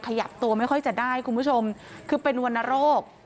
ขยับตัวไม่ค่อยจะได้คุณผู้ชมคือเป็นวรรณโรค